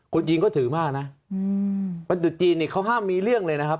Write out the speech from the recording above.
คนจีนก็ถือมากนะวันตุดจีนเนี่ยเขาห้ามมีเรื่องเลยนะครับ